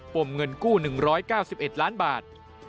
มเงินกู้๑๙๑ล้านบาท